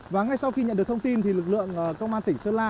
và ngay sau khi nhận được thông tin thì lực lượng công an tỉnh sơn la